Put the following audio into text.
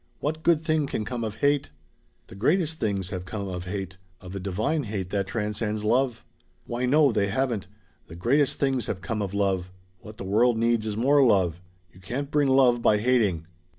What good thing can come of hate?" "The greatest things have come of hate. Of a divine hate that transcends love." "Why no they haven't! The greatest things have come of love. What the world needs is more love. You can't bring love by hating."